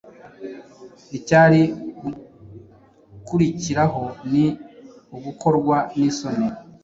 Icyari gukurikiraho ni ugukorwa n’isoni